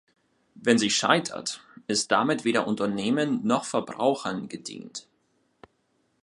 Wenn sie scheitert, ist damit weder Unternehmen noch Verbrauchern gedient.